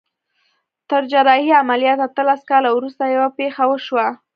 تر جراحي عمليات اتلس کاله وروسته يوه پېښه وشوه.